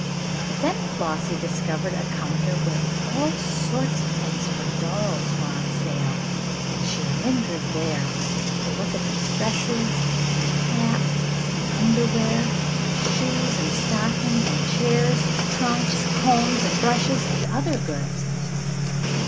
But then Flossie discovered a counter where all sorts of things for dolls were on sale and she lingered there, to look at the dresses, and hats, and underwear, and shoes and stockings, and chairs, trunks, combs and brushes, and other goods.